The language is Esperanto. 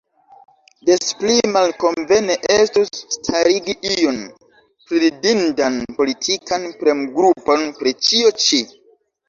Des pli malkonvene estus starigi iun priridindan politikan premgrupon pri ĉio ĉi.